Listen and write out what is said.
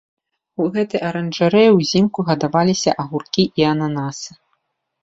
У гэтай аранжарэі ўзімку гадаваліся агуркі і ананасы.